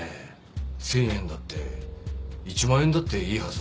１０００円だって１万円だっていいはずなのに。